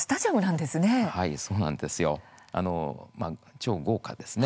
そうなんですよ。